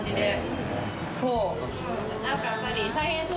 そう。